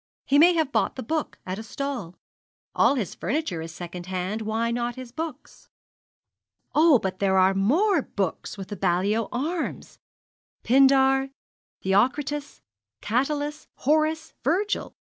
'He may have bought the book at a stall. All his furniture is second hand, why not his books?' 'Oh, but here are more books with the Balliol arms Pindar, Theocritus, Catullus, Horace, Virgil.'